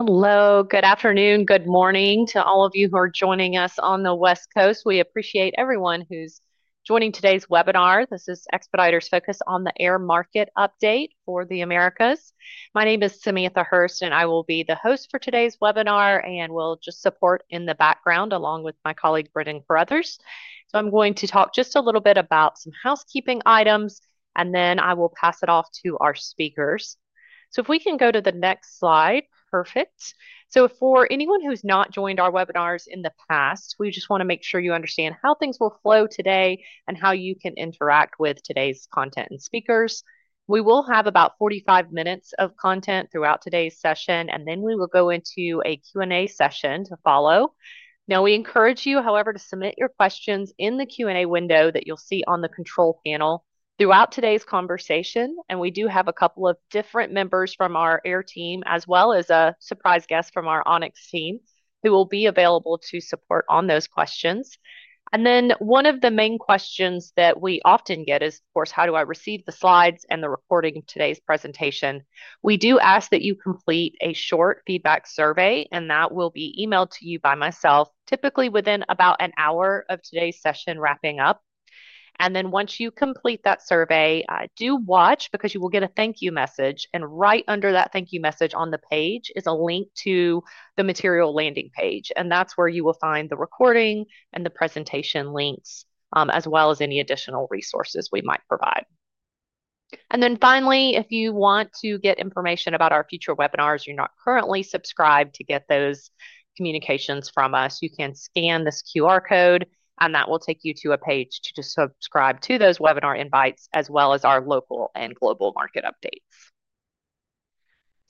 Hello, good afternoon, good morning to all of you who are joining us on the West Coast. We appreciate everyone who's joining today's webinar. This is Expeditors' focus on the air market update for the Americas. My name is Samantha Hurst, and I will be the host for today's webinar, and will just support in the background along with my colleague, Brendan Carruthers. I'm going to talk just a little bit about some housekeeping items, and then I will pass it off to our speakers. If we can go to the next slide, perfect. For anyone who's not joined our webinars in the past, we just want to make sure you understand how things will flow today and how you can interact with today's content and speakers. We will have about 45 minutes of content throughout today's session, and then we will go into a Q&A session to follow. Now, we encourage you, however, to submit your questions in the Q&A window that you'll see on the control panel throughout today's conversation. We do have a couple of different members from our air team, as well as a surprise guest from our Onyx team, who will be available to support on those questions. One of the main questions that we often get is, of course, how do I receive the slides and the recording of today's presentation? We do ask that you complete a short feedback survey, and that will be emailed to you by myself, typically within about an hour of today's session wrapping up. Once you complete that survey, do watch because you will get a thank you message. Right under that thank you message on the page is a link to the material landing page. That's where you will find the recording and the presentation links, as well as any additional resources we might provide. Finally, if you want to get information about our future webinars, you're not currently subscribed to get those communications from us, you can scan this QR code, and that will take you to a page to subscribe to those webinar invites, as well as our local and global market updates.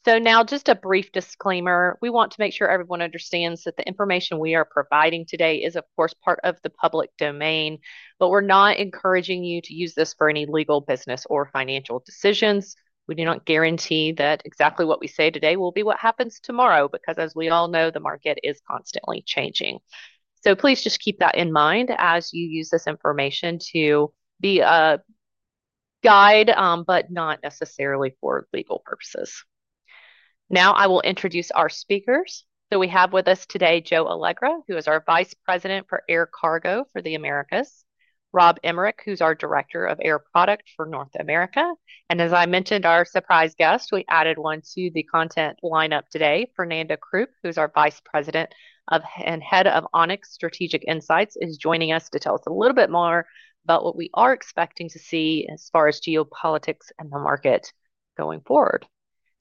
Now just a brief disclaimer. We want to make sure everyone understands that the information we are providing today is, of course, part of the public domain, but we're not encouraging you to use this for any legal, business, or financial decisions. We do not guarantee that exactly what we say today will be what happens tomorrow because, as we all know, the market is constantly changing. Please just keep that in mind as you use this information to be A guide, but not necessarily for legal purposes. Now I will introduce our speakers. We have with us today Joe Allegra, who is our Vice President for Air Cargo for the Americas, Rob Emmerich, who is our Director of Air Product for North America. As I mentioned, our surprise guest, we added one to the content lineup today, Fernanda Kroup, who is our Vice President and Head of Onyx Strategic Insights, is joining us to tell us a little bit more about what we are expecting to see as far as geopolitics and the market going forward.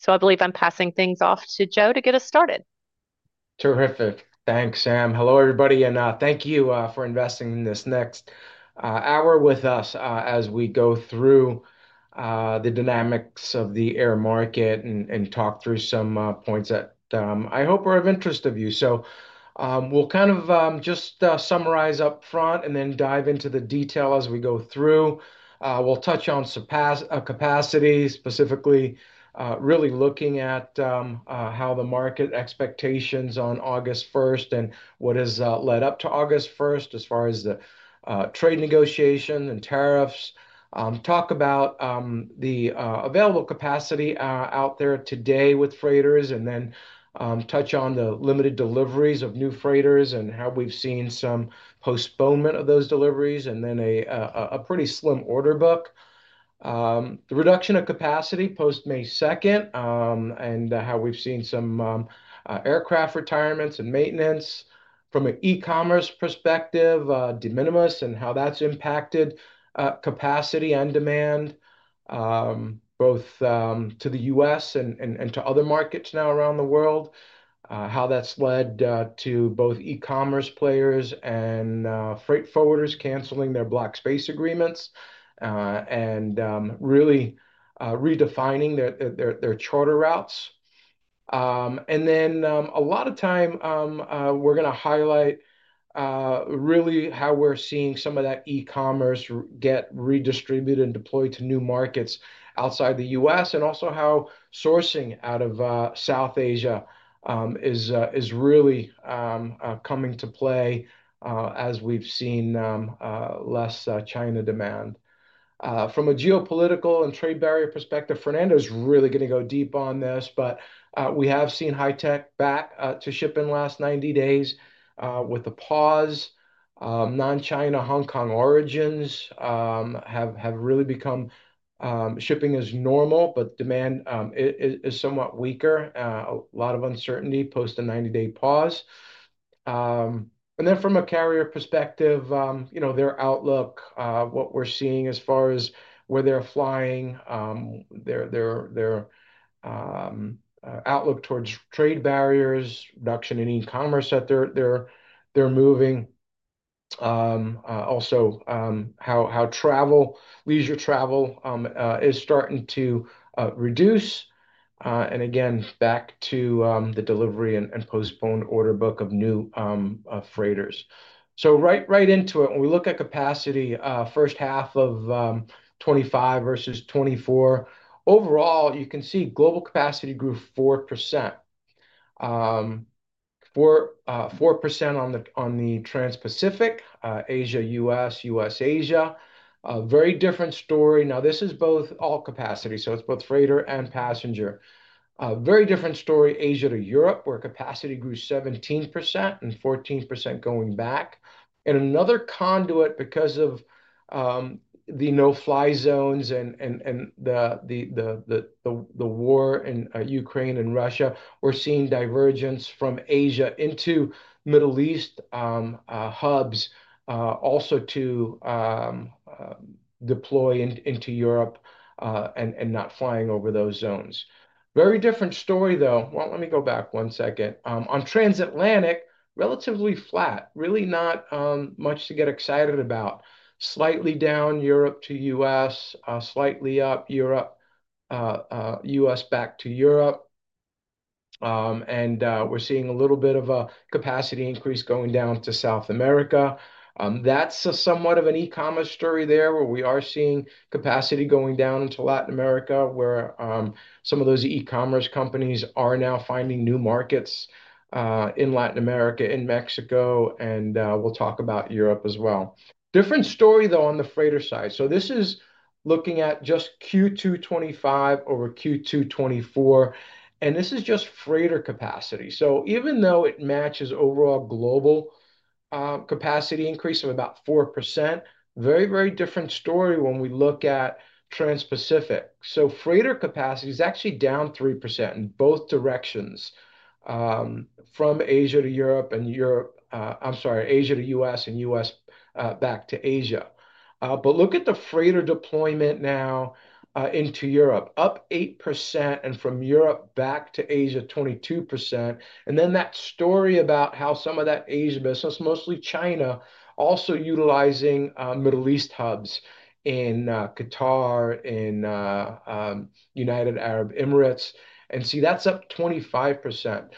I believe I am passing things off to Joe to get us started. Terrific. Thanks, Sam. Hello, everybody, and thank you for investing in this next hour with us as we go through the dynamics of the air market and talk through some points that I hope are of interest to you. We'll kind of just summarize upfront and then dive into the detail as we go through. We'll touch on capacity, specifically really looking at how the market expectations on August 1st and what has led up to August 1st, as far as the trade negotiation and tariffs. Talk about the available capacity out there today with freighters, and then touch on the limited deliveries of new freighters and how we've seen some postponement of those deliveries, and then a pretty slim order book. The reduction of capacity post-May 2nd and how we've seen some aircraft retirements and maintenance from an E-commerce perspective, de minimis, and how that's impacted capacity and demand both to the U.S. and to other markets now around the world. How that's led to both e-ommerce players and freight forwarders canceling their block space agreements and really redefining their charter routes. A lot of time, we're going to highlight really how we're seeing some of thate-commerce get redistributed and deployed to new markets outside the U.S., and also how sourcing out of South Asia is really coming to play as we've seen less China demand. From a geopolitical and trade barrier perspective, Fernanda is really going to go deep on this, but we have seen high tech back to ship in the last 90 days with a pause. Non-China Hong Kong origins have really become shipping as normal, but demand is somewhat weaker. A lot of uncertainty post a 90-day pause. From a carrier perspective, their outlook, what we're seeing as far as where they're flying, their outlook towards trade barriers, reduction in e-commerce that they're moving. Also, how leisure travel is starting to reduce. Again, back to the delivery and postponed order book of new freighters. Right into it, when we look at capacity, first half of 2025 versus 2024, overall, you can see global capacity grew 4%. 4% on the Trans-Pacific, Asia-U.S, U.S.-Asia. Very different story. Now, this is both all capacity, so it's both freighter and passenger. Very different story, Asia to Europe, where capacity grew 17% and 14% going back. Another conduit because of the no-fly zones and the war in Ukraine and Russia, we're seeing divergence from Asia into Middle East hubs, also to. Deploy into Europe. Not flying over those zones. Very different story, though. Let me go back one second. On transatlantic, relatively flat, really not much to get excited about. Slightly down Europe to U.S., slightly up Europe. U.S. back to Europe. We are seeing a little bit of a capacity increase going down to South America. That is somewhat of an e-commerce story there where we are seeing capacity going down into Latin America, where some of those E-commerce companies are now finding new markets. In Latin America, in Mexico, and we will talk about Europe as well. Different story, though, on the freighter side. This is looking at just Q2 '25 over Q2 '24. This is just freighter capacity. Even though it matches overall global capacity increase of about 4%, very, very different story when we look at Trans-Pacific. Freighter capacity is actually down 3% in both directions from Asia to Europe and Europe, I am sorry, Asia to U.S. and U.S. back to Asia. Look at the freighter deployment now. Into Europe, up 8%, and from Europe back to Asia, 22%. That story about how some of that Asia business, mostly China, also utilizing Middle East hubs in Qatar, in United Arab Emirates. That is up 25%.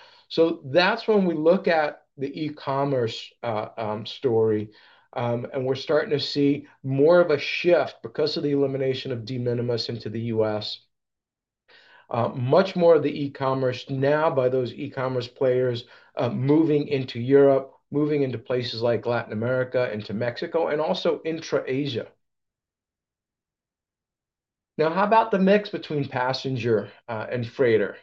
That is when we look at the e-commerce story, and we are starting to see more of a shift because of the elimination of de minimis into the U.S. Much more of the E-commerce now by those E-commerce players moving into Europe, moving into places like Latin America, into Mexico, and also intra-Asia. Now, how about the mix between passenger and freighter?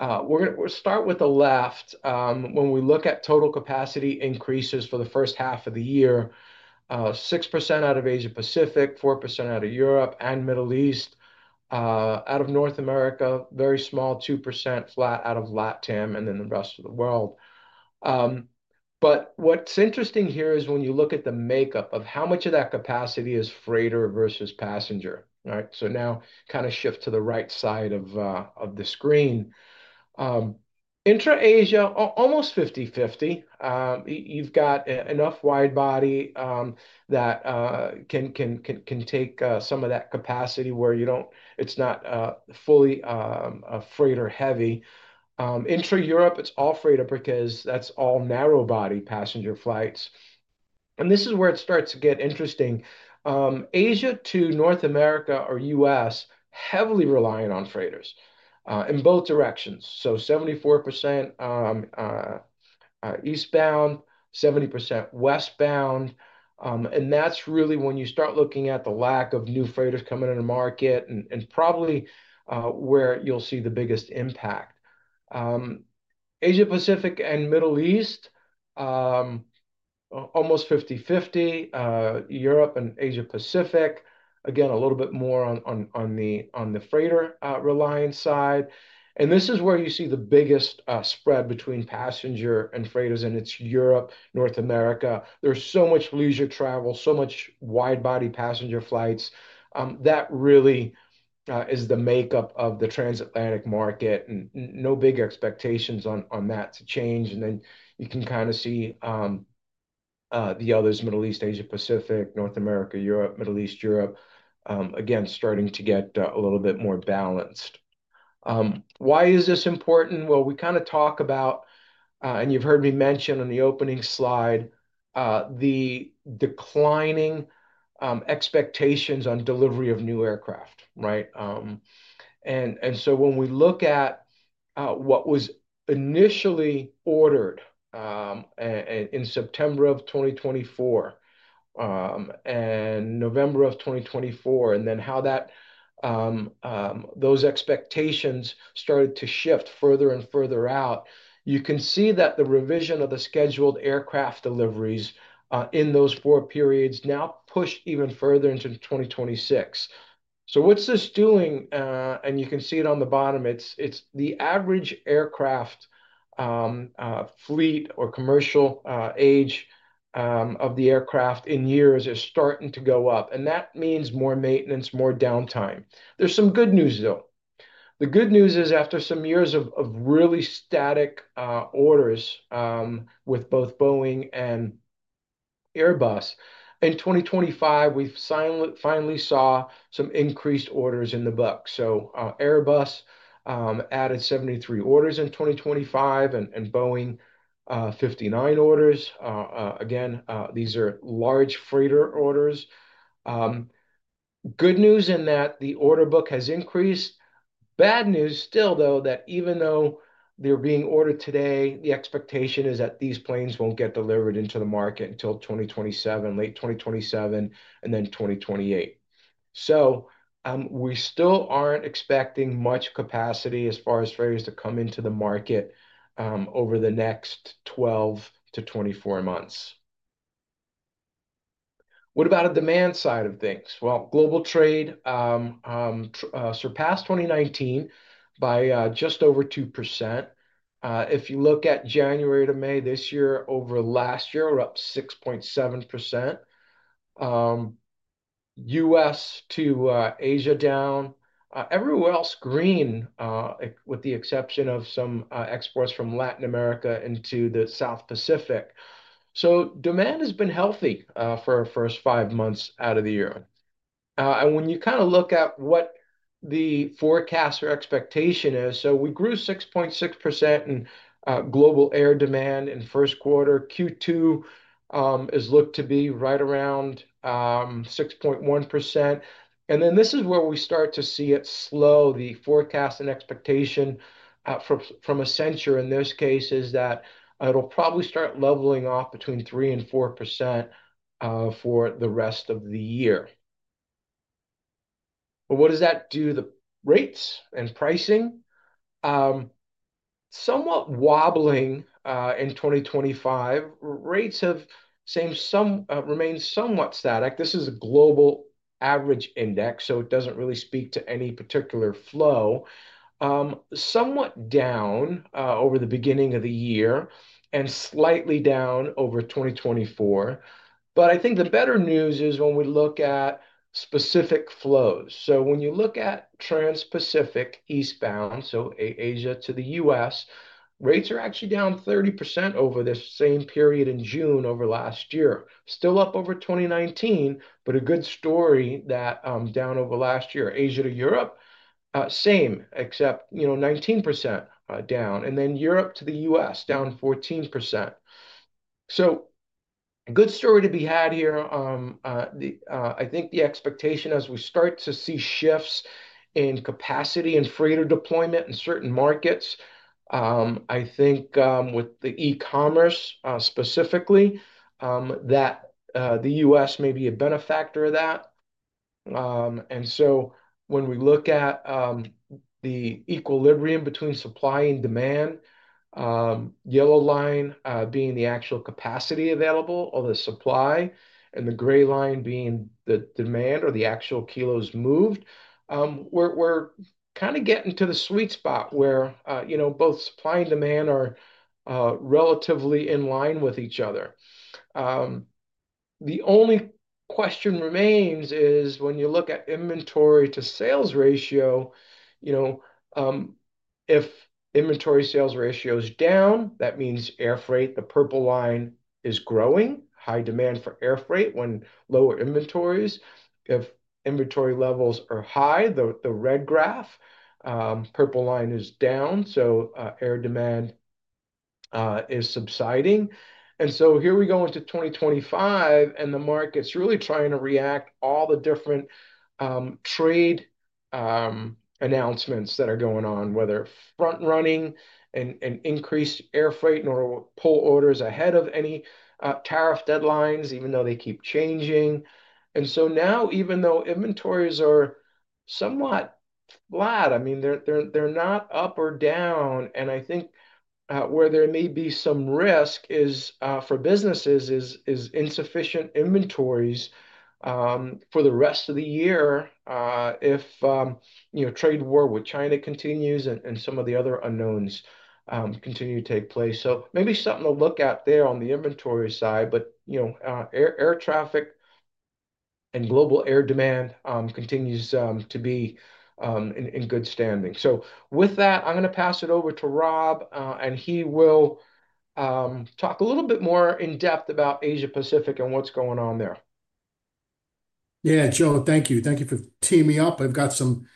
We will start with the left. When we look at total capacity increases for the first half of the year, 6% out of Asia-Pacific, 4% out of Europe and Middle East. Out of North America, very small, 2%, flat out of Latin America, and then the rest of the world. What is interesting here is when you look at the makeup of how much of that capacity is freighter versus passenger. Now kind of shift to the right side of the screen. Intra-Asia, almost 50-50. You have got enough wide body that can take some of that capacity where it is not fully freighter-heavy. Intra-Europe, it is all freighter because that is all narrow-body passenger flights. This is where it starts to get interesting. Asia to North America or U.S., heavily reliant on freighters in both directions. 74% eastbound, 70% westbound. That is really when you start looking at the lack of new freighters coming into the market and probably where you'll see the biggest impact. Asia-Pacific and Middle East, almost 50-50. Europe and Asia-Pacific, again, a little bit more on the freighter-reliance side. This is where you see the biggest spread between passenger and freighters, and it is Europe, North America. There is so much leisure travel, so many wide-body passenger flights. That really is the makeup of the transatlantic market, and there are no big expectations on that to change. You can kind of see the others: Middle East, Asia-Pacific, North America, Europe, Middle East, Europe, again, starting to get a little bit more balanced. Why is this important? We kind of talk about, and you have heard me mention on the opening slide, the declining expectations on delivery of new aircraft. When we look at what was initially ordered in September 2024 and November 2024, and then how those expectations started to shift further and further out, you can see that the revision of the scheduled aircraft deliveries in those four periods is now pushed even further into 2026. What is this doing? You can see it on the bottom. It is the average aircraft fleet or commercial age of the aircraft in years is starting to go up. That means more maintenance, more downtime. There is some good news, though. The good news is after some years of really static orders with both Boeing and Airbus, in 2025, we finally saw some increased orders in the book. Airbus added 73 orders in 2025, and Boeing 59 orders. Again, these are large freighter orders. Good news in that the order book has increased. Bad news still, though, that even though they are being ordered today, the expectation is that these planes will not get delivered into the market until 2027, late 2027, and then 2028. We still are not expecting much capacity as far as freighters to come into the market over the next 12-24 months. What about the demand side of things? Global trade surpassed 2019 by just over 2%. If you look at January to May this year over last year, we are up 6.7%. U.S. to Asia down. Everywhere else green, with the exception of some exports from Latin America into the South Pacific. Demand has been healthy for our first five months out of the year. When you kind of look at what the forecast or expectation is, we grew 6.6% in global air demand in first quarter. Q2. Is looked to be right around 6.1%. And then this is where we start to see it slow. The forecast and expectation from Accenture in this case is that it'll probably start leveling off between 3% and 4% for the rest of the year. But what does that do to the rates and pricing? Somewhat wobbling in 2025. Rates have remained somewhat static. This is a global average index, so it doesn't really speak to any particular flow. Somewhat down over the beginning of the year and slightly down over 2024. I think the better news is when we look at specific flows. When you look at Trans-Pacific eastbound, so Asia to the U.S., rates are actually down 30% over the same period in June over last year. Still up over 2019, but a good story that down over last year. Asia to Europe, same, except 19% down. Europe to the U.S., down 14%. Good story to be had here. I think the expectation as we start to see shifts in capacity and freighter deployment in certain markets. I think with the e-commerce specifically, that the U.S. may be a benefactor of that. When we look at the equilibrium between supply and demand, yellow line being the actual capacity available, or the supply, and the gray line being the demand or the actual kilos moved, we're kind of getting to the sweet spot where both supply and demand are relatively in line with each other. The only question remains is when you look at inventory-to-sales ratio. If inventory-to-sales ratio is down, that means air freight, the purple line, is growing, high demand for air freight when lower inventories. If inventory levels are high, the red graph, purple line is down, so air demand is subsiding. Here we go into 2025, and the market's really trying to react to all the different trade announcements that are going on, whether front-running and increased air freight or pull orders ahead of any tariff deadlines, even though they keep changing. Now, even though inventories are somewhat flat, I mean, they're not up or down. I think where there may be some risk for businesses is insufficient inventories for the rest of the year. If trade war with China continues and some of the other unknowns continue to take place. Maybe something to look at there on the inventory side, but air traffic and global air demand continues to be in good standing. With that, I'm going to pass it over to Rob, and he will talk a little bit more in depth about Asia-Pacific and what's going on there. Yeah, Joe, thank you. Thank you for teeing me up. I've got some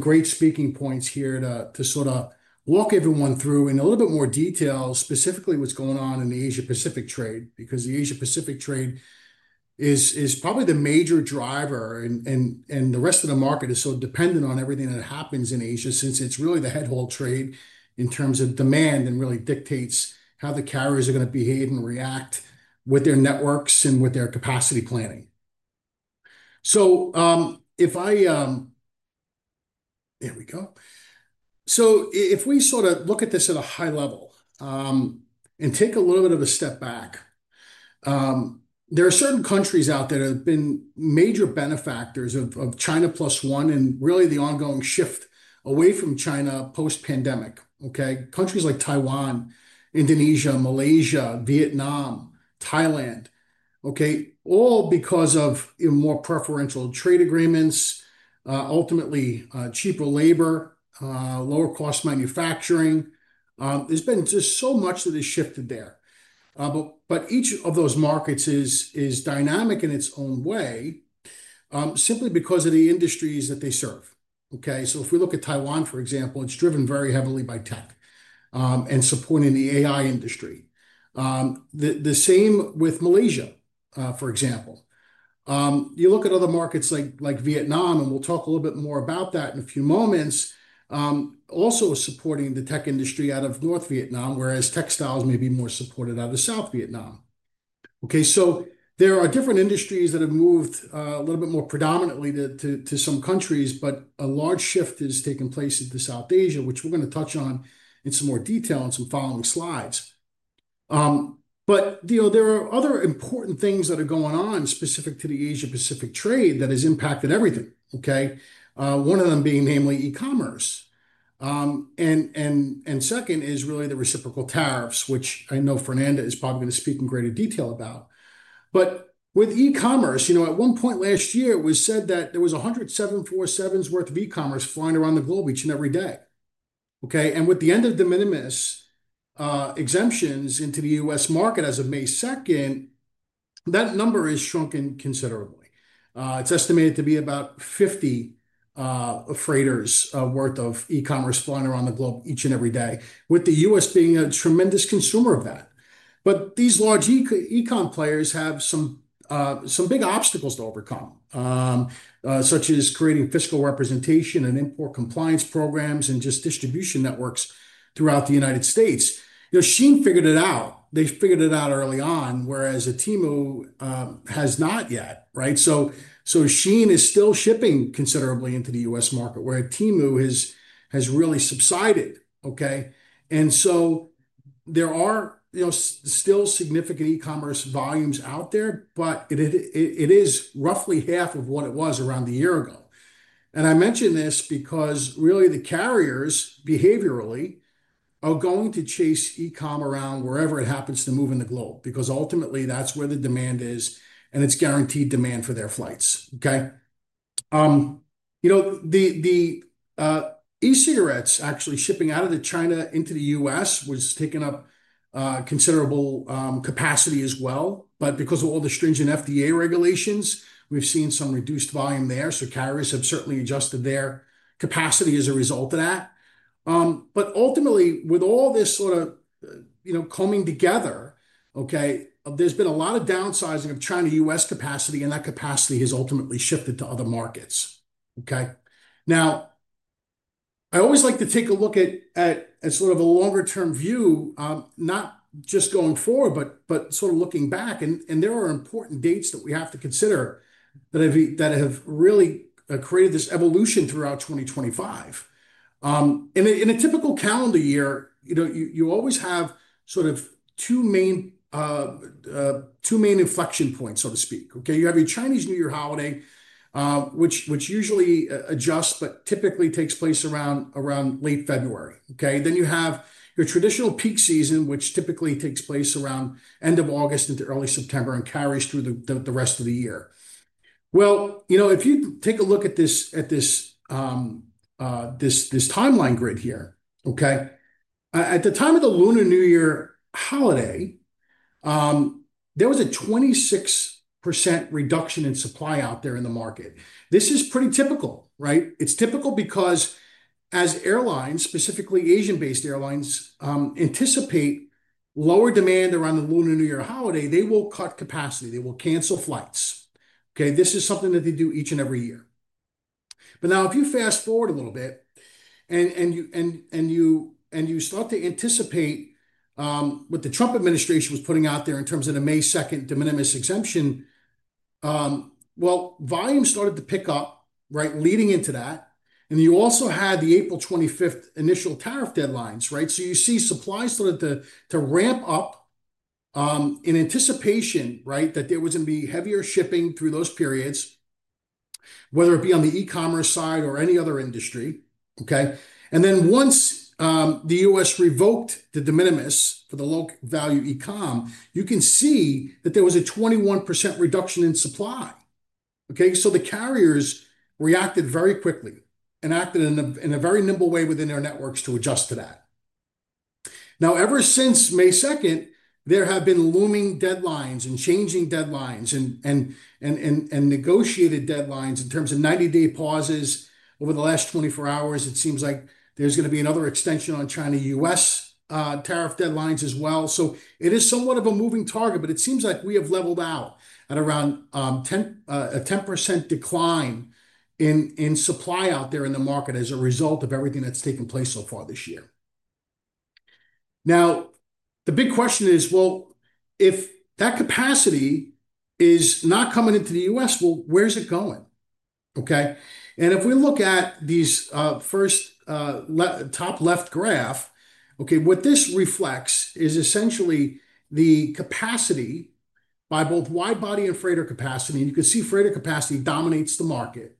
great speaking points here to sort of walk everyone through in a little bit more detail, specifically what's going on in the Asia-Pacific trade, because the Asia-Pacific trade is probably the major driver, and the rest of the market is so dependent on everything that happens in Asia since it's really the head hold trade in terms of demand and really dictates how the carriers are going to behave and react with their networks and with their capacity planning. If I. There we go. If we sort of look at this at a high level and take a little bit of a step back, there are certain countries out there that have been major benefactors of China plus one and really the ongoing shift away from China post-pandemic. Countries like Taiwan, Indonesia, Malaysia, Vietnam, Thailand, all because of more preferential trade agreements, ultimately cheaper labor, lower-cost manufacturing. There's been just so much that has shifted there, but each of those markets is dynamic in its own way simply because of the industries that they serve. If we look at Taiwan, for example, it's driven very heavily by tech and supporting the AI industry. The same with Malaysia, for example. You look at other markets like Vietnam, and we'll talk a little bit more about that in a few moments, also supporting the tech industry out of North Vietnam, whereas textiles may be more supported out of South Vietnam. There are different industries that have moved a little bit more predominantly to some countries, but a large shift has taken place in South Asia, which we're going to touch on in some more detail in some following slides. There are other important things that are going on specific to the Asia-Pacific trade that has impacted everything. One of them being namely E-commerce. Second is really the reciprocal tariffs, which I know Fernanda is probably going to speak in greater detail about. With e-commerce, at one point last year, it was said that there was 10 747s worth of e-commerce flying around the globe each and every day. With the end of de minimis exemptions into the U.S. market as of May 2, that number has shrunken considerably. It's estimated to be about 50 freighters' worth of e-commerce flying around the globe each and every day, with the U.S. being a tremendous consumer of that. These large e-commerce players have some big obstacles to overcome. Such as creating fiscal representation and import compliance programs and just distribution networks throughout the United States. Shein figured it out. They figured it out early on, whereas Temu has not yet. So Shein is still shipping considerably into the U.S. market, whereas Temu has really subsided. There are still significant e-commerce volumes out there, but it is roughly half of what it was around a year ago. I mention this because really the carriers behaviorally are going to chase e-commerce around wherever it happens to move in the globe because ultimately that's where the demand is and it's guaranteed demand for their flights. The e-cigarettes actually shipping out of China into the U.S. was taking up considerable capacity as well. Because of all the stringent FDA regulations, we've seen some reduced volume there. Carriers have certainly adjusted their capacity as a result of that. Ultimately, with all this sort of coming together, there's been a lot of downsizing of China-U.S. capacity, and that capacity has ultimately shifted to other markets. I always like to take a look at sort of a longer-term view, not just going forward, but sort of looking back. There are important dates that we have to consider that have really created this evolution throughout 2025. In a typical calendar year, you always have sort of two main inflection points, so to speak. You have your Chinese New Year holiday, which usually adjusts, but typically takes place around late February. Then you have your traditional peak season, which typically takes place around the end of August into early September and carries through the rest of the year. If you take a look at this timeline grid here, at the time of the Lunar New Year holiday, there was a 26% reduction in supply out there in the market. This is pretty typical. It's typical because as airlines, specifically Asian-based airlines, anticipate lower demand around the Lunar New Year holiday, they will cut capacity. They will cancel flights. This is something that they do each and every year. If you fast forward a little bit and you start to anticipate what the Trump administration was putting out there in terms of the May 2nd de minimis exemption, volume started to pick up leading into that. You also had the April 25th initial tariff deadlines. You see supply started to ramp up. In anticipation that there was going to be heavier shipping through those periods, whether it be on the e-commerce side or any other industry. And then once the U.S. revoked the de minimis for the low-value e-com, you can see that there was a 21% reduction in supply. The carriers reacted very quickly and acted in a very nimble way within their networks to adjust to that. Now, ever since May 2, there have been looming deadlines and changing deadlines and negotiated deadlines in terms of 90-day pauses over the last 24 hours. It seems like there's going to be another extension on China-U.S. tariff deadlines as well. It is somewhat of a moving target, but it seems like we have leveled out at around a 10% decline in supply out there in the market as a result of everything that's taken place so far this year. The big question is, if that capacity is not coming into the U.S., where's it going? If we look at these first top left graph, what this reflects is essentially the capacity by both wide-body and freighter capacity. You can see freighter capacity dominates the market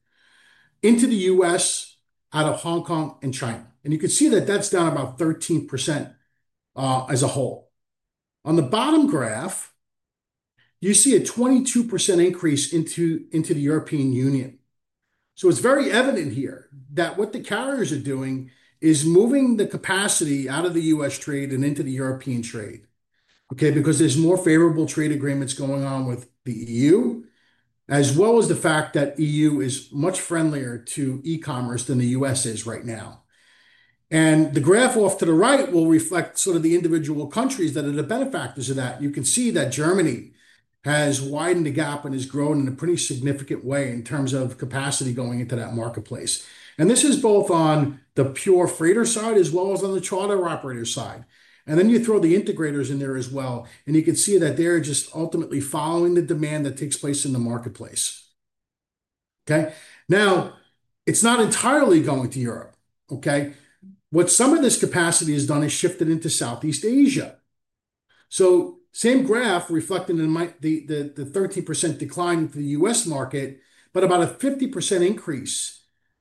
into the U.S. out of Hong Kong and China, and you can see that that's down about 13% as a whole. On the bottom graph, you see a 22% increase into the European Union. It is very evident here that what the carriers are doing is moving the capacity out of the U.S. trade and into the European trade because there's more favorable trade agreements going on with the EU, as well as the fact that the EU is much friendlier to E-commerce than the U.S. is right now. The graph off to the right will reflect sort of the individual countries that are the benefactors of that. You can see that Germany has widened the gap and has grown in a pretty significant way in terms of capacity going into that marketplace. This is both on the pure freighter side as well as on the charter operator side. You throw the integrators in there as well, and you can see that they're just ultimately following the demand that takes place in the marketplace. Now, it's not entirely going to Europe. What some of this capacity has done is shifted into Southeast Asia. Same graph reflecting the 13% decline to the U.S. market, but about a 50% increase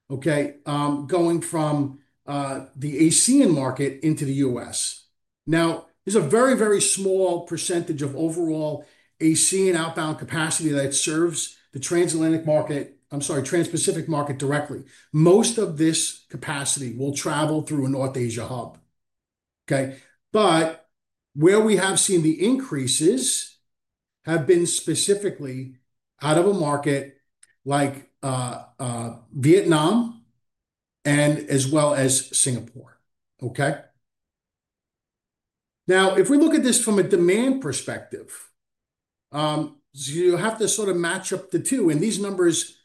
going from the ASEAN market into the U.S. Now, there's a very, very small percentage of overall ASEAN outbound capacity that serves the transatlantic market, I'm sorry, trans-Pacific market directly. Most of this capacity will travel through a North Asia hub. Where we have seen the increases have been specifically out of a market like Vietnam and as well as Singapore. Now, if we look at this from a demand perspective, you have to sort of match up the two. These numbers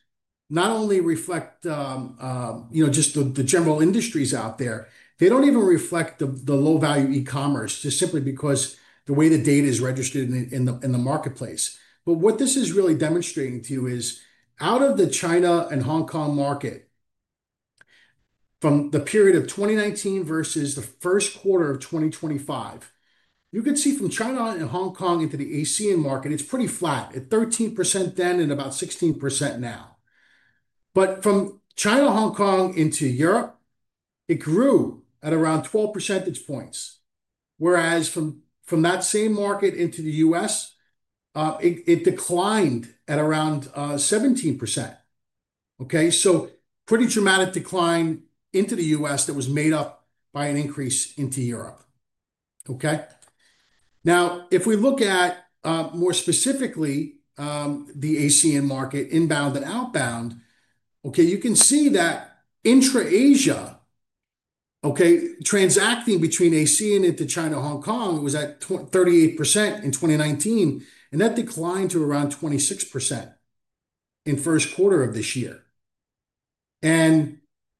not only reflect just the general industries out there, they do not even reflect the low-value E-commerce just simply because of the way the data is registered in the marketplace. What this is really demonstrating to you is out of the China and Hong Kong market, from the period of 2019 versus the first quarter of 2025, you can see from China and Hong Kong into the ASEAN market, it is pretty flat at 13% then and about 16% now. From China-Hong Kong into Europe, it grew at around 12 percentage points. Whereas from that same market into the U.S., it declined at around 17%. So, pretty dramatic decline into the U.S. that was made up by an increase into Europe. Now, if we look at more specifically the ASEAN market inbound and outbound, you can see that intra-Asia transacting between ASEAN into China-Hong Kong was at 38% in 2019, and that declined to around 26% in the first quarter of this year.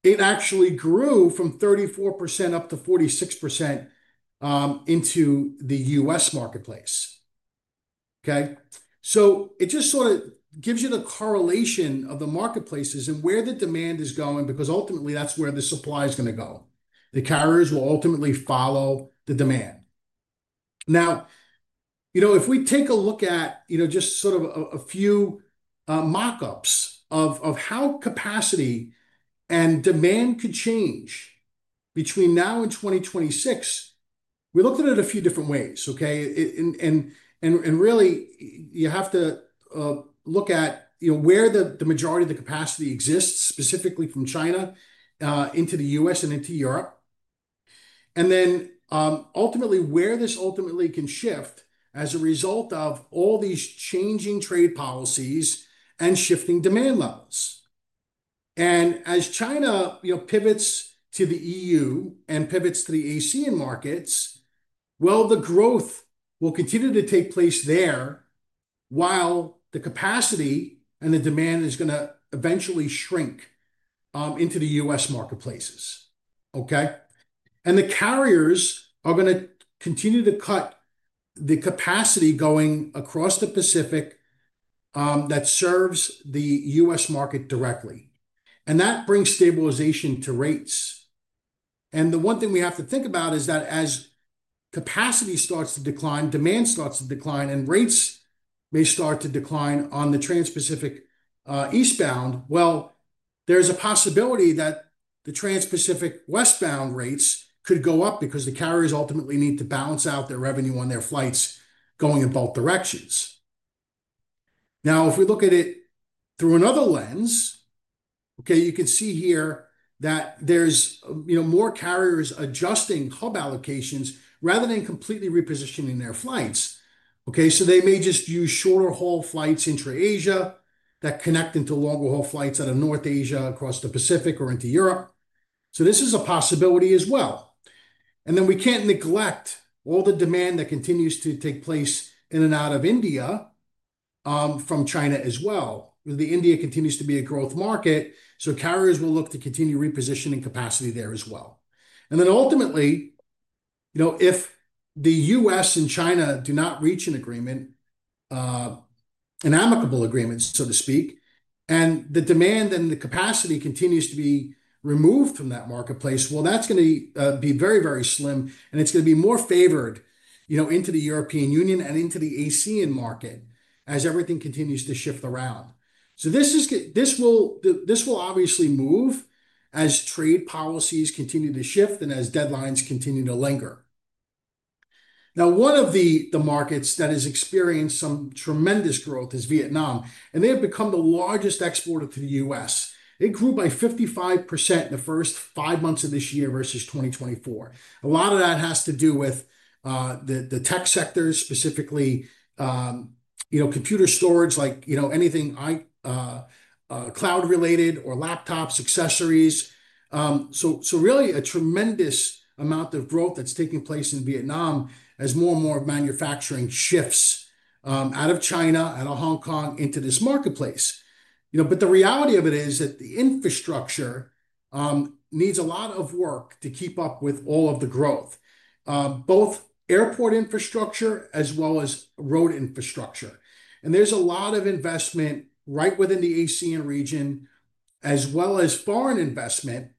It actually grew from 34% up to 46% into the U.S. marketplace. It just sort of gives you the correlation of the marketplaces and where the demand is going because ultimately that is where the supply is going to go. The carriers will ultimately follow the demand. Now, if we take a look at just sort of a few mockups of how capacity and demand could change between now and 2026, we looked at it a few different ways. Really, you have to look at where the majority of the capacity exists, specifically from China into the U.S. and into Europe. Ultimately, where this ultimately can shift as a result of all these changing trade policies and shifting demand levels. As China pivots to the EU and pivots to the ASEAN markets, the growth will continue to take place there, while the capacity and the demand is going to eventually shrink into the U.S. marketplaces. The carriers are going to continue to cut the capacity going across the Pacific that serves the U.S. market directly. That brings stabilization to rates. The one thing we have to think about is that as capacity starts to decline, demand starts to decline, and rates may start to decline on the Trans-Pacific, Eastbound, there is a possibility that the Trans-Pacific westbound rates could go up because the carriers ultimately need to balance out their revenue on their flights going in both directions. If we look at it through another lens, you can see here that there are more carriers adjusting hub allocations rather than completely repositioning their flights. They may just use shorter-haul flights into Asia that connect into longer-haul flights out of North Asia across the Pacific or into Europe. This is a possibility as well. We cannot neglect all the demand that continues to take place in and out of India from China as well. India continues to be a growth market, so carriers will look to continue repositioning capacity there as well. Ultimately, if the U.S. and China do not reach an agreement, an amicable agreement, so to speak, and the demand and the capacity continues to be removed from that marketplace, that is going to be very, very slim. It is going to be more favored into the European Union and into the ASEAN market as everything continues to shift around. This will obviously move as trade policies continue to shift and as deadlines continue to linger. One of the markets that has experienced some tremendous growth is Vietnam, and they have become the largest exporter to the U.S. It grew by 55% in the first five months of this year versus 2024. A lot of that has to do with the tech sector, specifically computer storage, like anything cloud-related or laptops, accessories. There is really a tremendous amount of growth that is taking place in Vietnam as more and more manufacturing shifts out of China, out of Hong Kong, into this marketplace. The reality of it is that the infrastructure needs a lot of work to keep up with all of the growth, both airport infrastructure as well as road infrastructure. There is a lot of investment right within the ASEAN region as well as foreign investment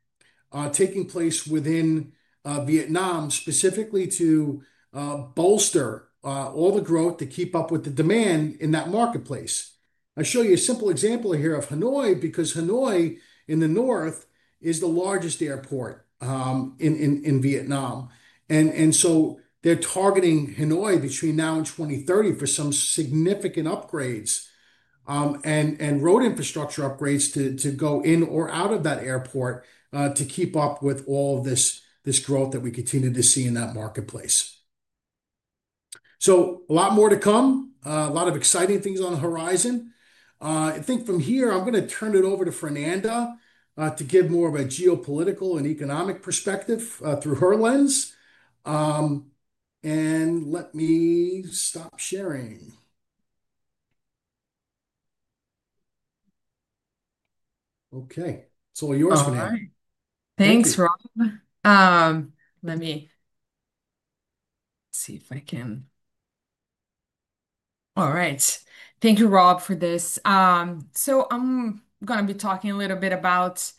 taking place within Vietnam, specifically to bolster all the growth to keep up with the demand in that marketplace. I will show you a simple example here of Hanoi, because Hanoi in the north is the largest airport in Vietnam, and they are targeting Hanoi between now and 2030 for some significant upgrades and road infrastructure upgrades to go in or out of that airport to keep up with all of this growth that we continue to see in that marketplace. There is a lot more to come, a lot of exciting things on the horizon. I think from here, I'm going to turn it over to Fernanda to give more of a geopolitical and economic perspective through her lens. Let me stop sharing. Okay. It's all yours, Fernanda. All right. Thanks, Rob. Let me see if I can. All right. Thank you, Rob, for this. I'm going to be talking a little bit about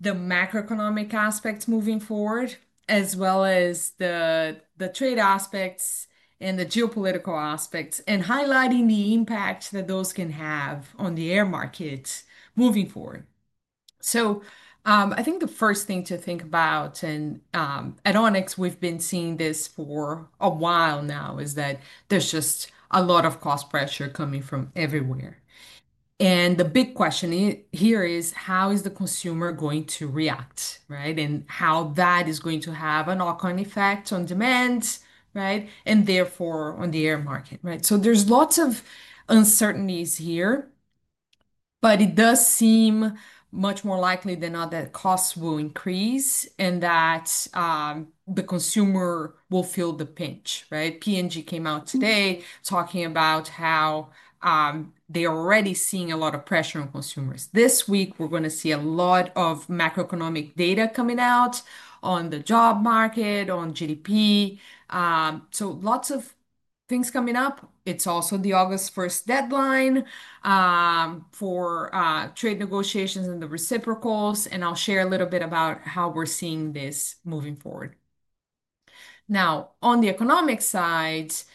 the macroeconomic aspects moving forward, as well as the trade aspects and the geopolitical aspects, and highlighting the impact that those can have on the air market moving forward. I think the first thing to think about, and at Onyx, we've been seeing this for a while now, is that there's just a lot of cost pressure coming from everywhere. The big question here is, how is the consumer going to react, and how that is going to have a knock-on effect on demand and therefore on the air market. There's lots of uncertainties here. It does seem much more likely than not that costs will increase and that the consumer will feel the pinch. P&G came out today talking about how they are already seeing a lot of pressure on consumers. This week, we're going to see a lot of macroeconomic data coming out on the job market, on GDP. Lots of things coming up. It's also the August 1st deadline for trade negotiations and the reciprocals. I'll share a little bit about how we're seeing this moving forward. Now, on the economic side, just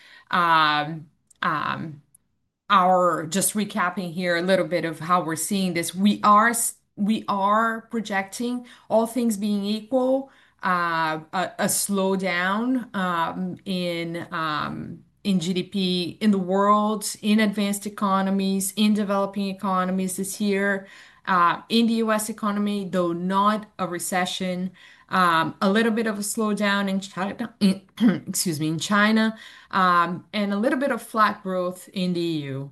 recapping here a little bit of how we're seeing this. We are projecting, all things being equal, a slowdown in GDP in the world, in advanced economies, in developing economies this year. In the U.S. economy, though not a recession. A little bit of a slowdown in China. Excuse me, in China. And a little bit of flat growth in the EU.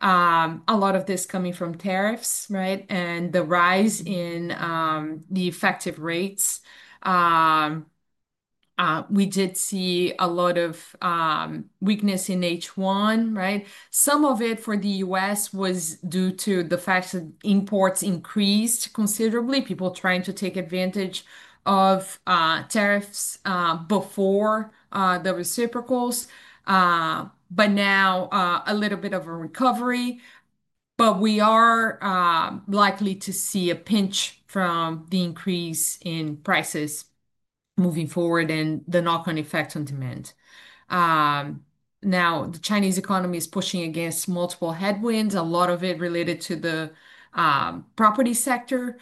A lot of this coming from tariffs and the rise in the effective rates. We did see a lot of weakness in H1. Some of it for the U.S. was due to the fact that imports increased considerably, people trying to take advantage of tariffs before the reciprocals. Now a little bit of a recovery. We are likely to see a pinch from the increase in prices moving forward and the knock-on effect on demand. Now, the Chinese economy is pushing against multiple headwinds, a lot of it related to the property sector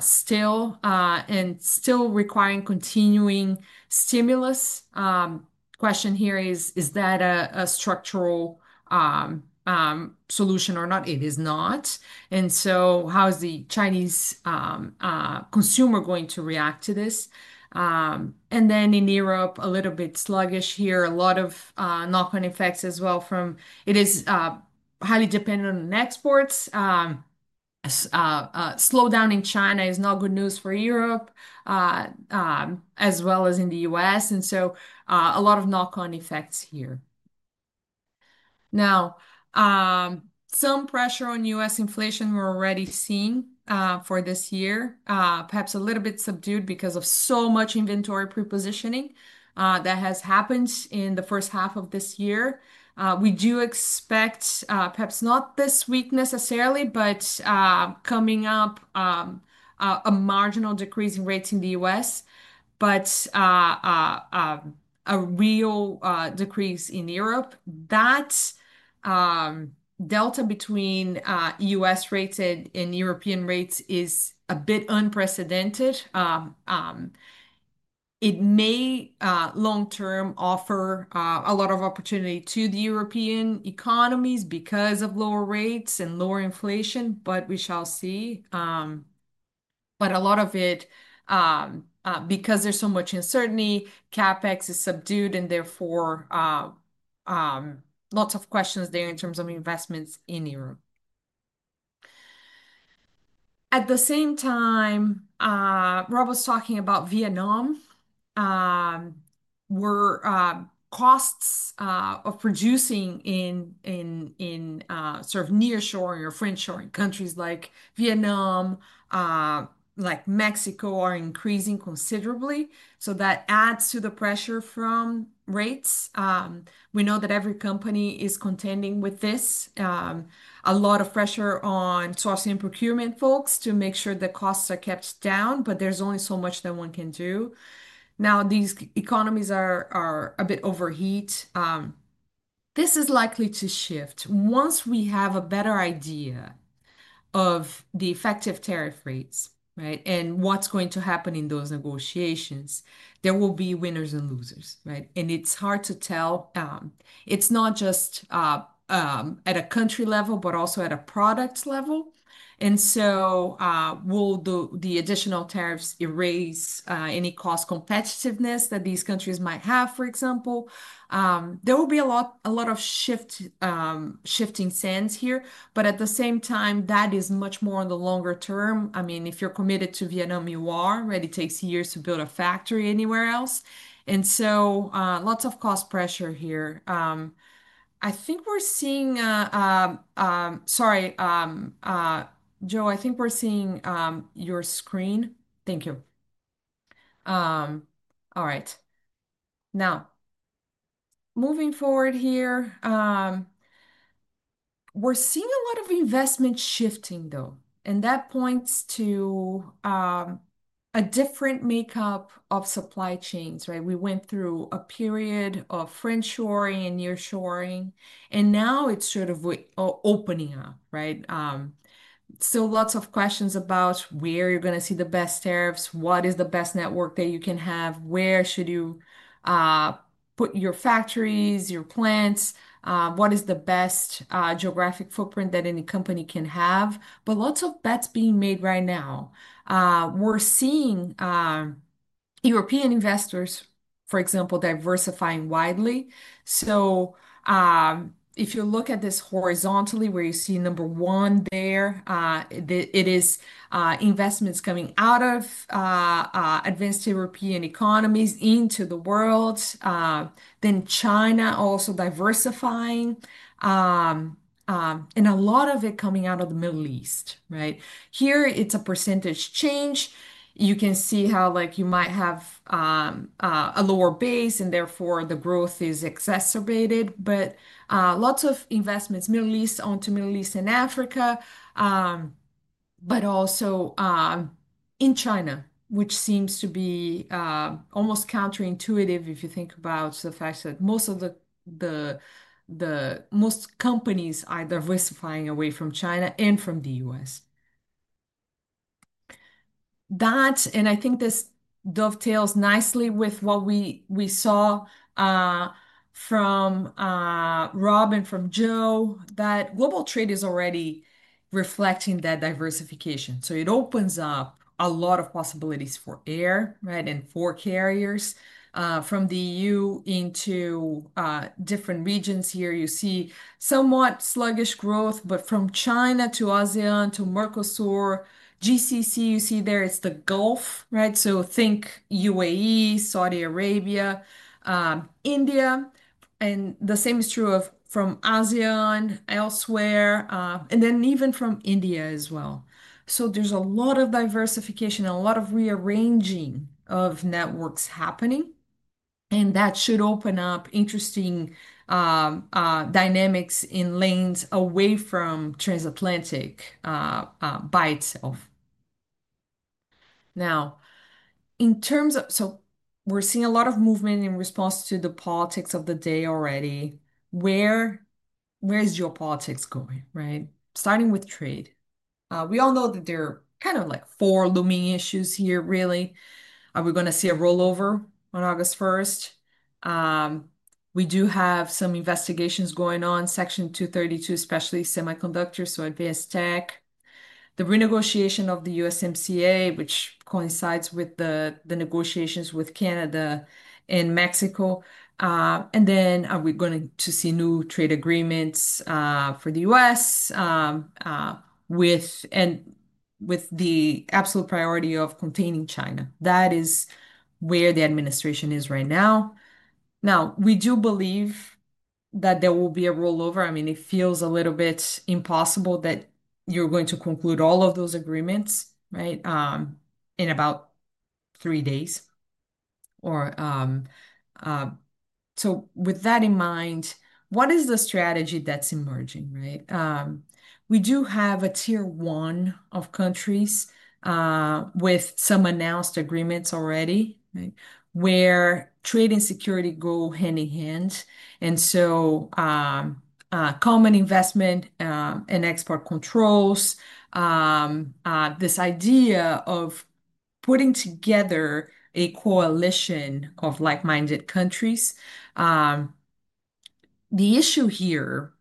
still, and still requiring continuing stimulus. Question here is, is that a structural solution or not? It is not. How is the Chinese consumer going to react to this? In Europe, a little bit sluggish here. A lot of knock-on effects as well from it is. Highly dependent on exports. Slowdown in China is not good news for Europe. As well as in the U.S. A lot of knock-on effects here. Now, some pressure on U.S. inflation we're already seeing for this year, perhaps a little bit subdued because of so much inventory prepositioning that has happened in the first half of this year. We do expect, perhaps not this week necessarily, but coming up, a marginal decrease in rates in the U.S., but a real decrease in Europe. That delta between U.S. rates and European rates is a bit unprecedented. It may long-term offer a lot of opportunity to the European economies because of lower rates and lower inflation, but we shall see. A lot of it, because there's so much uncertainty, CapEx is subdued, and therefore lots of questions there in terms of investments in Europe. At the same time, Rob was talking about Vietnam, where costs of producing in sort of nearshoring or friend shoring countries like Vietnam, like Mexico, are increasing considerably. That adds to the pressure from rates. We know that every company is contending with this. A lot of pressure on sourcing and procurement folks to make sure the costs are kept down, but there's only so much that one can do. Now, these economies are a bit overheat. This is likely to shift. Once we have a better idea of the effective tariff rates and what's going to happen in those negotiations, there will be winners and losers. It's hard to tell. It's not just at a country level, but also at a product level. Will the additional tariffs erase any cost competitiveness that these countries might have? For example, there will be a lot of shifting sands here. At the same time, that is much more on the longer term. I mean, if you're committed to Vietnam, you are. It takes years to build a factory anywhere else. Lots of cost pressure here. I think we're seeing. Sorry. Joe, I think we're seeing your screen. Thank you. All right. Now, moving forward here, we're seeing a lot of investment shifting, though, and that points to a different makeup of supply chains. We went through a period of friend shoring and nearshoring, and now it's sort of opening up. Still lots of questions about where you're going to see the best tariffs, what is the best network that you can have, where should you put your factories, your plants, what is the best geographic footprint that any company can have. Lots of bets being made right now. We're seeing European investors, for example, diversifying widely. If you look at this horizontally, where you see number one there, it is investments coming out of advanced European economies into the world. Then China also diversifying, and a lot of it coming out of the Middle East. Here, it's a percentage change. You can see how you might have a lower base, and therefore the growth is exacerbated. Lots of investments, Middle East onto Middle East and Africa, but also in China, which seems to be almost counterintuitive if you think about the fact that most companies are diversifying away from China and from the U.S. I think this dovetails nicely with what we saw from Rob and from Joe, that global trade is already reflecting that diversification. It opens up a lot of possibilities for air and for carriers from the European Union into different regions here. You see somewhat sluggish growth, but from China to ASEAN to MERCOSUR, GCC, you see there it's the Gulf, so think UAE, Saudi Arabia, India. The same is true from ASEAN, elsewhere, and then even from India as well. There's a lot of diversification and a lot of rearranging of networks happening. That should open up interesting dynamics in lanes away from transatlantic. Now, in terms of, we're seeing a lot of movement in response to the politics of the day already. Where is geopolitics going? Starting with trade. We all know that there are kind of four looming issues here, really. Are we going to see a rollover on August 1st? We do have some investigations going on, Section 232, especially semiconductors, so advanced tech. The renegotiation of the USMCA, which coincides with the negotiations with Canada and Mexico. Are we going to see new trade agreements for the U.S. with the absolute priority of containing China? That is where the administration is right now. We do believe that there will be a rollover. I mean, it feels a little bit impossible that you're going to conclude all of those agreements in about three days. With that in mind, what is the strategy that's emerging? We do have a tier one of countries with some announced agreements already, where trade and security go hand in hand. Common investment and export controls, this idea of putting together a coalition of like-minded countries. The issue here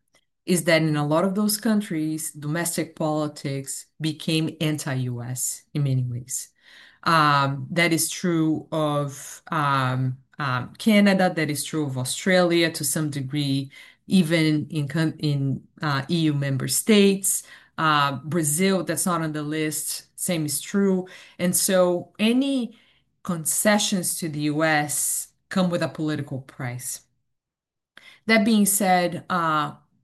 is that in a lot of those countries, domestic politics became anti-U.S. In many ways, that is true of Canada, that is true of Australia to some degree, even in EU member states. Brazil, that's not on the list, same is true. Any concessions to the U.S. come with a political price. That being said,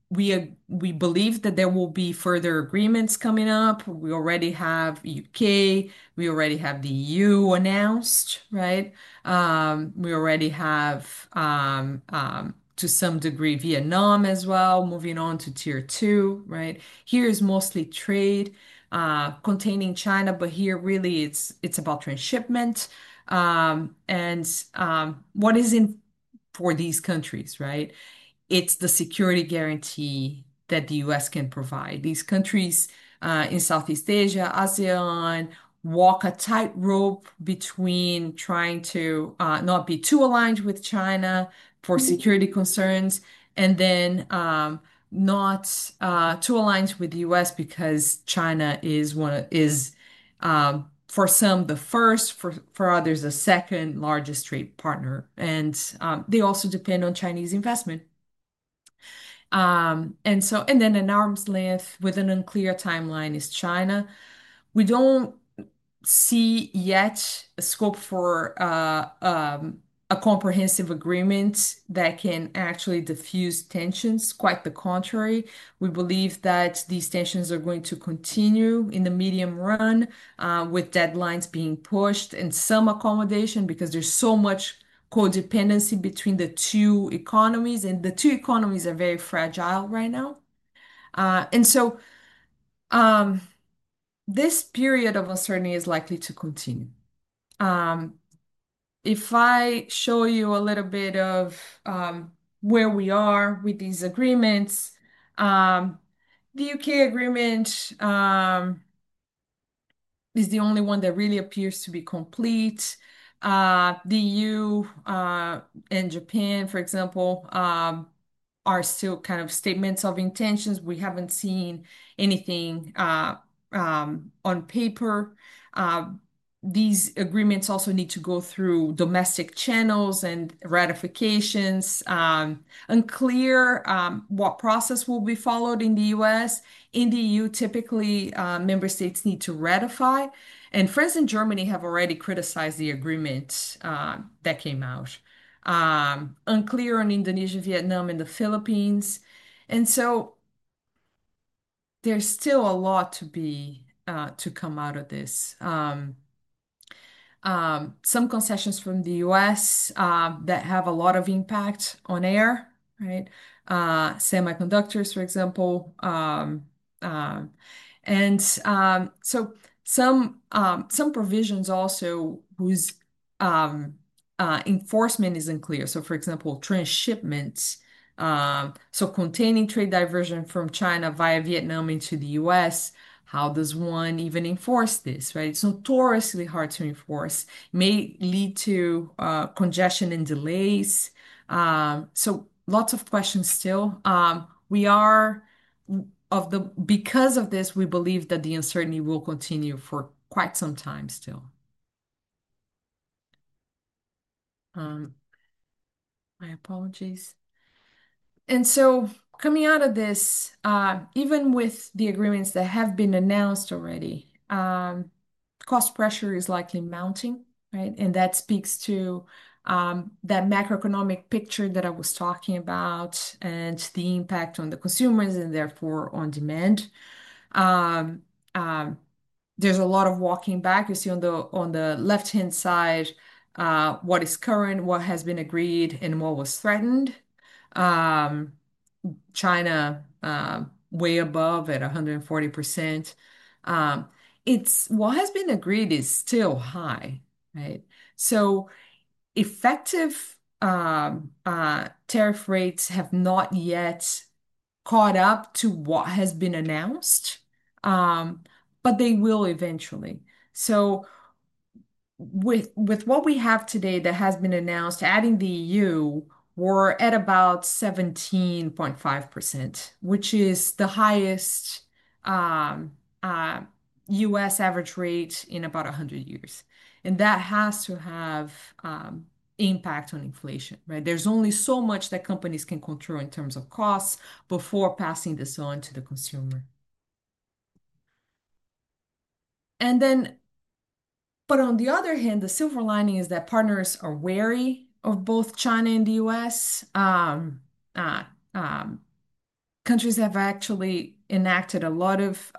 we believe that there will be further agreements coming up. We already have the U.K., we already have the EU announced. We already have, to some degree, Vietnam as well. Moving on to tier two, here is mostly trade containing China, but here really it's about transshipment. What is in for these countries? It's the security guarantee that the U.S. can provide these countries. In Southeast Asia, ASEAN walk a tightrope between trying to not be too aligned with China for security concerns, and then not too aligned with the U.S. because China is, for some, the first, for others, the second largest trade partner. They also depend on Chinese investment. An arm's length with an unclear timeline is China. We don't see yet a scope for a comprehensive agreement that can actually diffuse tensions. Quite the contrary, we believe that these tensions are going to continue in the medium run, with deadlines being pushed and some accommodation because there's so much codependency between the two economies, and the two economies are very fragile right now. This period of uncertainty is likely to continue. If I show you a little bit of where we are with these agreements, the U.K. agreement is the only one that really appears to be complete. The EU and Japan, for example, are still kind of statements of intentions. We haven't seen anything on paper. These agreements also need to go through domestic channels and ratifications. Unclear what process will be followed in the U.S. In the EU, typically, member states need to ratify, and France and Germany have already criticized the agreement that came out. Unclear on Indonesia, Vietnam, and the Philippines. There's still a lot to come out of this. Some concessions from the U.S. that have a lot of impact on air, semiconductors, for example. Some provisions also whose enforcement is unclear. For example, transshipments, so containing trade diversion from China via Vietnam into the U.S., how does one even enforce this? It's notoriously hard to enforce. May lead to congestion and delays. Lots of questions still. Because of this, we believe that the uncertainty will continue for quite some time still. My apologies. Coming out of this, even with the agreements that have been announced already, cost pressure is likely mounting. That speaks to that macroeconomic picture that I was talking about and the impact on the consumers and therefore on demand. There is a lot of walking back. You see on the left-hand side what is current, what has been agreed, and what was threatened. China, way above at 140%. What has been agreed is still high. Effective tariff rates have not yet caught up to what has been announced, but they will eventually. With what we have today that has been announced, adding the EU, we are at about 17.5%, which is the highest U.S. average rate in about 100 years. That has to have impact on inflation. There is only so much that companies can control in terms of costs before passing this on to the consumer. On the other hand, the silver lining is that partners are wary of both China and the U.S. Countries have actually enacted a lot of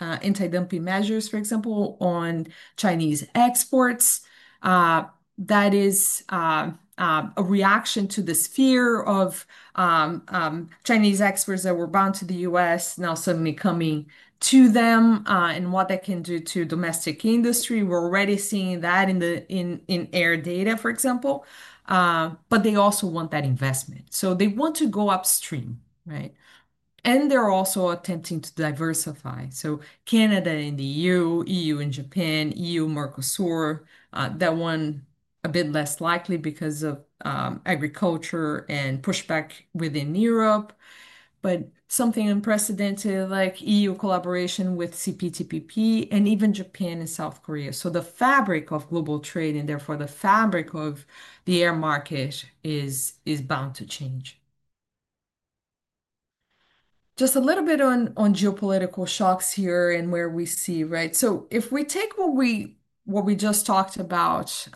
anti-dumping measures, for example, on Chinese exports. That is a reaction to the sphere of Chinese exporters that were bound to the U.S. now suddenly coming to them and what that can do to domestic industry. We are already seeing that in air data, for example. They also want that investment, so they want to go upstream, and they are also attempting to diversify. Canada and the EU, EU and Japan, EU, Mercosur, that one a bit less likely because of agriculture and pushback within Europe, but something unprecedented like EU collaboration with CPTPP and even Japan and South Korea. The fabric of global trade and therefore the fabric of the air market is bound to change. Just a little bit on geopolitical shocks here and where we see. If we take what we just talked about,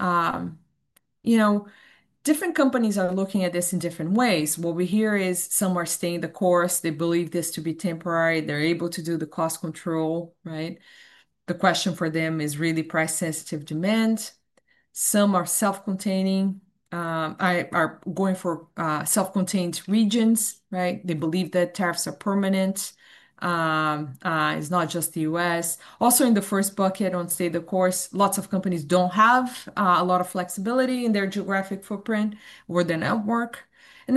different companies are looking at this in different ways. What we hear is some are staying the course. They believe this to be temporary. They are able to do the cost control. The question for them is really price-sensitive demand. Some are self-containing, are going for self-contained regions. They believe that tariffs are permanent. It is not just the U.S. Also in the first bucket on stay the course, lots of companies do not have a lot of flexibility in their geographic footprint or their network.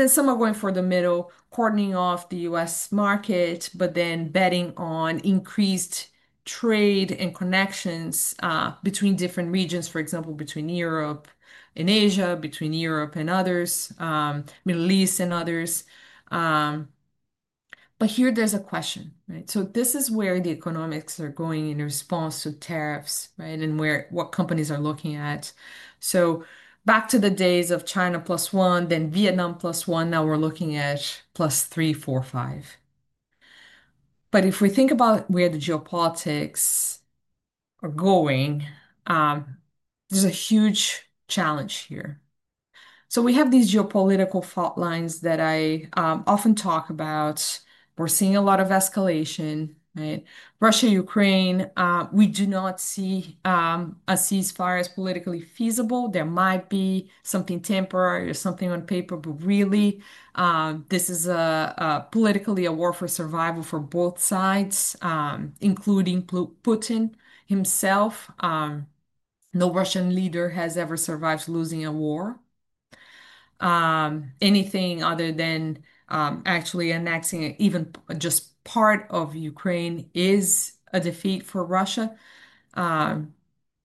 Some are going for the middle, cordoning off the U.S. market, but then betting on increased trade and connections between different regions, for example, between Europe and Asia, between Europe and others. Middle East and others. Here there's a question. This is where the economics are going in response to tariffs and what companies are looking at. Back to the days of China plus one, then Vietnam plus one, now we're looking at plus three, four, five. If we think about where the geopolitics are going, there's a huge challenge here. We have these geopolitical fault lines that I often talk about. We're seeing a lot of escalation. Russia, Ukraine, we do not see a ceasefire as politically feasible. There might be something temporary or something on paper, but really this is politically a war for survival for both sides, including Putin himself. No Russian leader has ever survived losing a war. Anything other than actually annexing even just part of Ukraine is a defeat for Russia.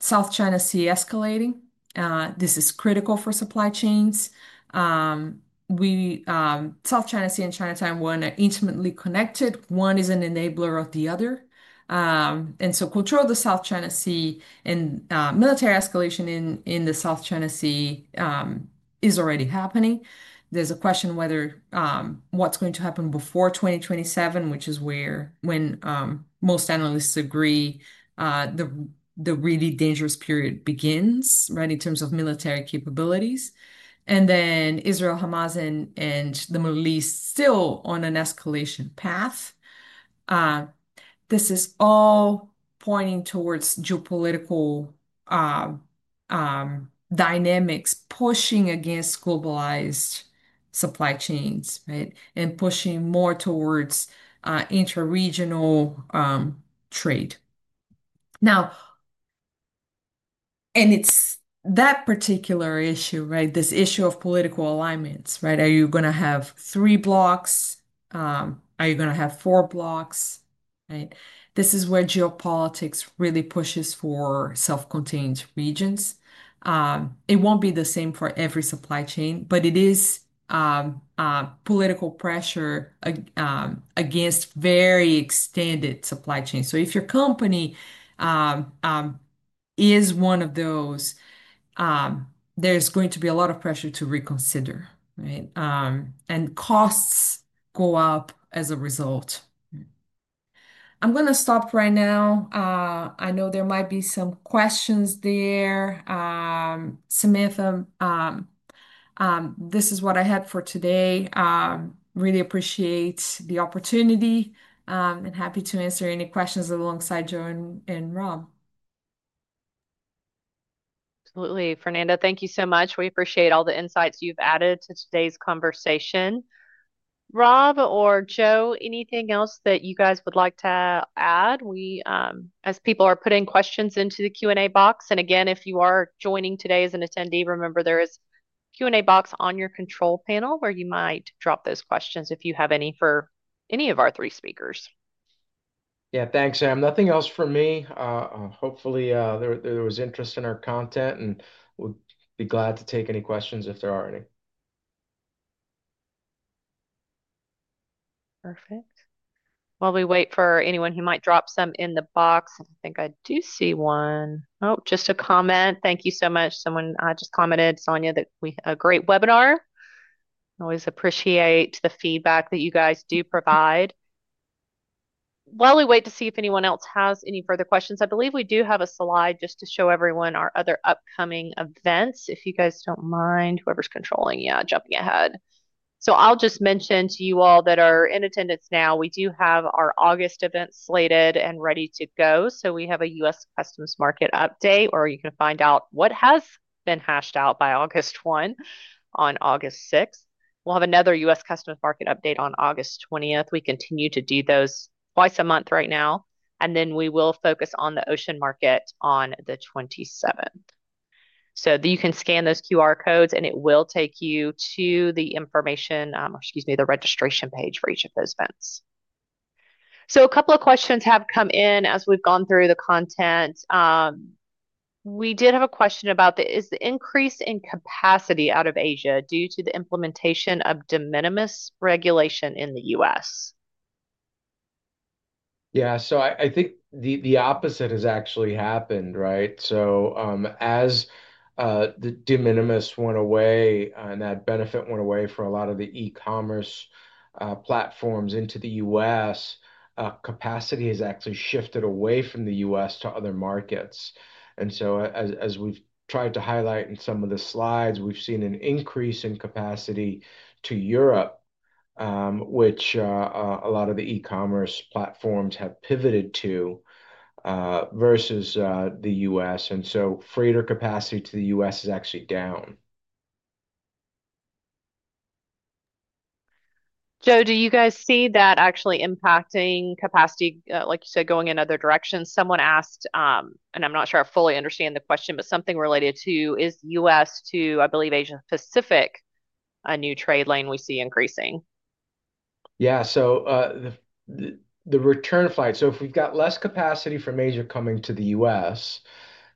South China Sea escalating. This is critical for supply chains. South China Sea and China Taiwan are intimately connected. One is an enabler of the other. Control of the South China Sea and military escalation in the South China Sea is already happening. There's a question whether what's going to happen before 2027, which is when most analysts agree the really dangerous period begins in terms of military capabilities. Israel, Hamas, and the Middle East still on an escalation path. This is all pointing towards geopolitical dynamics pushing against globalized supply chains and pushing more towards interregional trade now. It's that particular issue, this issue of political alignments. Are you going to have three blocs? Are you going to have four blocs? This is where geopolitics really pushes for self-contained regions. It won't be the same for every supply chain, but it is political pressure against very extended supply chains. If your company is one of those, there's going to be a lot of pressure to reconsider. Costs go up as a result. I'm going to stop right now. I know there might be some questions there. Samantha, this is what I had for today. Really appreciate the opportunity and happy to answer any questions alongside Joe and Rob. Absolutely. Fernanda, thank you so much. We appreciate all the insights you've added to today's conversation. Rob or Joe, anything else that you guys would like to add as people are putting questions into the Q&A box. If you are joining today as an attendee, remember there is a Q&A box on your control panel where you might drop those questions if you have any for any of our three speakers. Yeah, thanks, Sam. Nothing else for me. Hopefully, there was interest in our content, and we'd be glad to take any questions if there are any. Perfect. While we wait for anyone who might drop some in the box, I think I do see one. Oh, just a comment. Thank you so much. Someone just commented, Sonia, that we had a great webinar. Always appreciate the feedback that you guys do provide. While we wait to see if anyone else has any further questions, I believe we do have a slide just to show everyone our other upcoming events. If you guys do not mind, whoever is controlling, yeah, jumping ahead. I will just mention to you all that are in attendance now, we do have our August events slated and ready to go. We have a U.S. customs market update, or you can find out what has been hashed out by August 1 on August 6. We will have another U.S. customs market update on August 20. We continue to do those twice a month right now. We will focus on the ocean market on the 27th. You can scan those QR codes, and it will take you to the information, or excuse me, the registration page for each of those events. A couple of questions have come in as we have gone through the content. We did have a question about the increase in capacity out of Asia due to the implementation of de minimis regulation in the U.S. Yeah, I think the opposite has actually happened, right? As the de minimis went away and that benefit went away for a lot of the e-commerce platforms into the U.S., capacity has actually shifted away from the U.S. to other markets. As we have tried to highlight in some of the slides, we have seen an increase in capacity to Europe, which a lot of the e-commerce platforms have pivoted to versus the U.S. Freighter capacity to the U.S. is actually down. Joe, do you guys see that actually impacting capacity, like you said, going in other directions? Someone asked, and I am not sure I fully understand the question, but something related to is U.S. to, I believe, Asia-Pacific a new trade lane we see increasing? Yeah. The return flight, if we have got less capacity for major coming to the U.S.,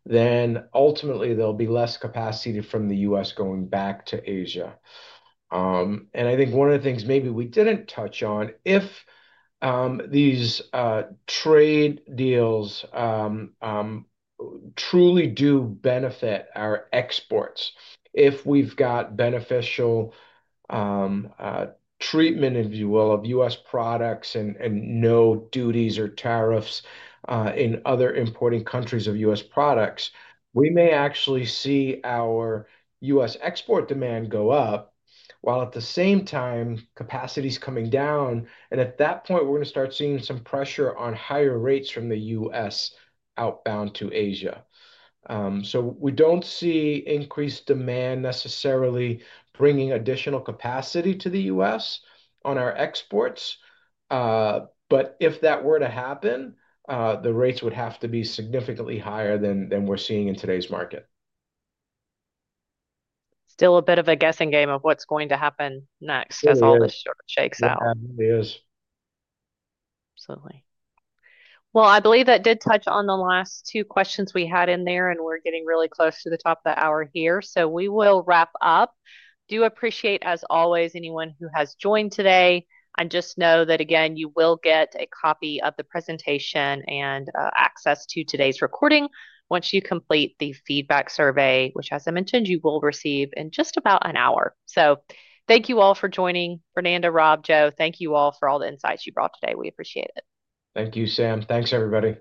then ultimately, there will be less capacity from the U.S. going back to Asia. I think one of the things maybe we did not touch on, if these trade deals. Truly do benefit our exports, if we've got beneficial treatment, if you will, of U.S. products and no duties or tariffs in other importing countries of U.S. products, we may actually see our U.S. export demand go up while at the same time, capacity is coming down. At that point, we're going to start seeing some pressure on higher rates from the U.S. outbound to Asia. We do not see increased demand necessarily bringing additional capacity to the U.S. on our exports. If that were to happen, the rates would have to be significantly higher than we're seeing in today's market. Still a bit of a guessing game of what's going to happen next as all this shakes out. Absolutely. I believe that did touch on the last two questions we had in there, and we're getting really close to the top of the hour here. We will wrap up. Do appreciate, as always, anyone who has joined today. I just know that, again, you will get a copy of the presentation and access to today's recording once you complete the feedback survey, which, as I mentioned, you will receive in just about an hour. Thank you all for joining. Fernanda, Rob, Joe, thank you all for all the insights you brought today. We appreciate it. Thank you, Sam. Thanks, everybody. Bye.